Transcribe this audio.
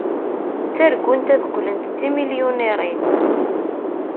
Ttargunt ad qqlent d timilyuniṛin.